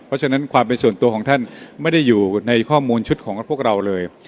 เพราะฉะนั้นความเป็นส่วนตัวของท่านไม่ได้อยู่ในข้อมูลชุดของพวกเราเลย